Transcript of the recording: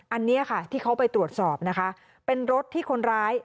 อันนี้ค่ะที่เขาไปตรวจสอบนะคะเป็นรถที่คนร้าย